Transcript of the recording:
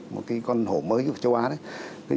một cái con hổ mới của châu á